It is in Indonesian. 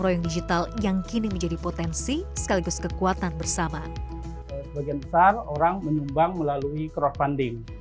nah menariknya ini juga meningkat karena masuknya anak anak muda milenial di kegiatan pilantron